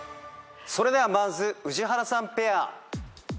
それではまず宇治原さんペア。